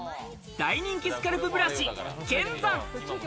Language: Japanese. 大人気スカルプブラシ・ケンザン。